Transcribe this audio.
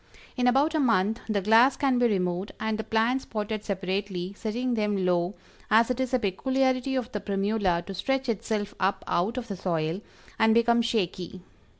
In about a month the glass can be removed and the plants potted separately, setting them low, as it is a peculiarity of the Primula to stretch itself up out of the soil, and become shaky.